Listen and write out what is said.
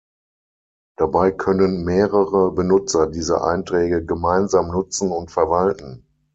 Dabei können mehrere Benutzer diese Einträge gemeinsam nutzen und verwalten.